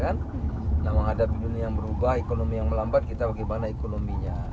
nah menghadapi dunia yang berubah ekonomi yang melambat kita bagaimana ekonominya